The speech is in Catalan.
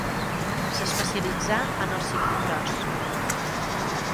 S'especialitzà en el ciclocròs.